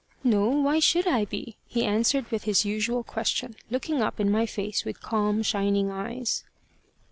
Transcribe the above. "No. Why should I be?" he answered with his usual question, looking up in my face with calm shining eyes.